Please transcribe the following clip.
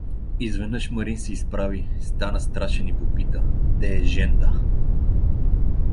Изведнъж Марин се изправи, стана страшен и попита: — Де е Женда?